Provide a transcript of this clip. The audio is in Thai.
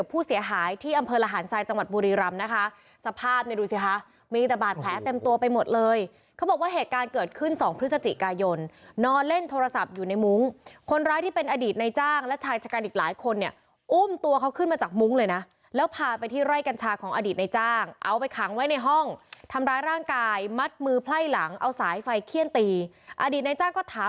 กับผู้เสียหายที่อำเภอระหารทรายจังหวัดบุรีรัมน์นะคะสภาพมีแต่บาทแผลเต็มตัวไปหมดเลยเขาบอกว่าเหตุการณ์เกิดขึ้น๒พฤศจิกายนนอนเล่นโทรศัพท์อยู่ในมุ้งคนร้ายที่เป็นอดีตในจ้างและชายชะกันอีกหลายคนเนี่ยอุ้มตัวเขาขึ้นมาจากมุ้งเลยนะแล้วพาไปที่ไร่กัญชาของอดีตในจ้างเอาไปขังไว้ในห